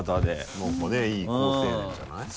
なんかねいい好青年じゃない？